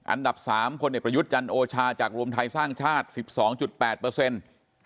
อันดับสามพลเอกประยุทธ์จันโอชาจากรวมไทยสร้างชาติ๑๒๘เปอร์เซ็นต์